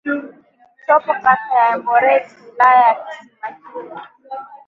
kilichopo kata ya Emboret wilaya ya Simanjiro